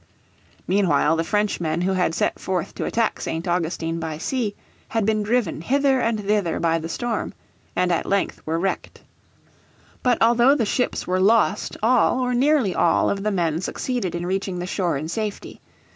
Meanwhile the Frenchmen who had set forth to attack St. Augustine by sea had been driven hither and thither by the storm, and at length were wrecked. But although the ships were lost all, or nearly all, of the men succeeded in reaching the shore in safety.